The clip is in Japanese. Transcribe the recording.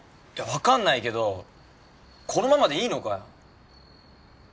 わかんないけどこのままでいいのかよ？